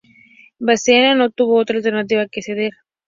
Vasena no tuvo otra alternativa que ceder.